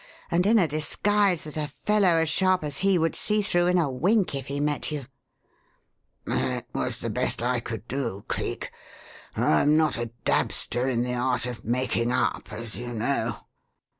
And in a disguise that a fellow as sharp as he would see through in a wink if he met you." "It was the best I could do, Cleek I'm not a dabster in the art of making up, as you know."